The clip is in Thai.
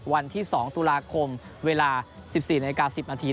วันที่๒ตุลาคมเวลา๑๔นาฬิกา๑๐นาที